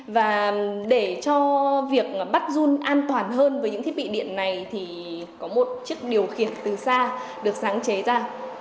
và để cho việc bắt run an toàn hơn với những thiết bị điện này thì có một chiếc điều khiển từ xa được sáng chế ra